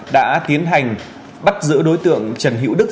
đã tiến hành bắt giữ đối tượng trần hữu đức